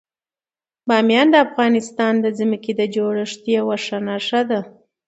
بامیان د افغانستان د ځمکې د جوړښت یوه ښه نښه ده.